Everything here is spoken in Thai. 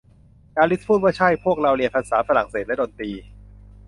อลิซพูดว่า ใช่ พวกเราเรียนภาษาฝรั่งเศสและดนตรี